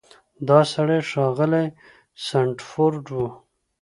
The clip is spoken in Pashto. دا سړی ښاغلی سنډفورډ و.